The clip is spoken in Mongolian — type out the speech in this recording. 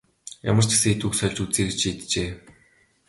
Ямар ч гэсэн хэдэн үг сольж үзье гэж шийджээ.